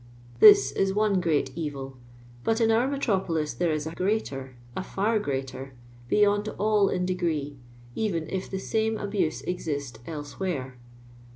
This is one great evil ; but in our metropMis there is a greater, a far greater, beyond all in detrree, even if the Siime abu.«se exist elsewhere.